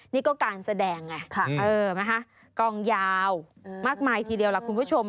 นี่ก็การแสดงไงกองยาวมากมายทีเดียวล่ะคุณผู้ชม